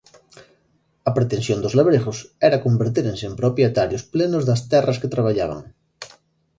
A pretensión dos labregos era convertérense en propietarios plenos das terras que traballaban.